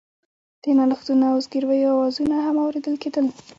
د نالښتونو او زګيرويو آوازونه هم اورېدل کېدل.